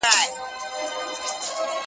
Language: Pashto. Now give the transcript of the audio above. تور ټکي خاموش دي قاسم یاره پر دې سپین کتاب-